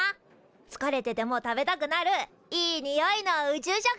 つかれてても食べたくなるいいにおいの宇宙食。